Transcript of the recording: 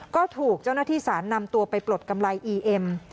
ก็ถูกเจ้าหน้าที่สารนำตัวไปปลดกำไรอีเอ็ม